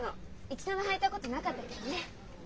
一度も履いたことなかったけどね。